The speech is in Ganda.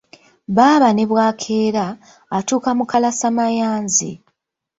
Baaba ne bw’akeera, atuuka mu kalasamayanzi.